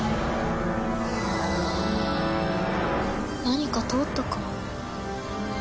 何か通ったか？